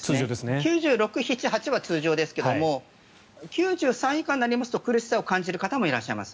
９６、９７、９８は通常ですが９３以下になりますと苦しさを感じる方もいます。